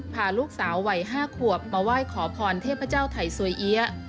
พาลูกสาววัย๕ขวบมาไหว้ขอพรเทพเจ้าไทยสวยเอี๊ยะ